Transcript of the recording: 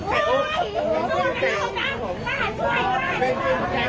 ไก่โอ๊คโอ๊คนี่ไก่โอ๊ค